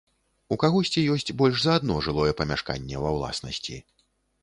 У кагосьці ёсць больш за адно жылое памяшканне ва ўласнасці.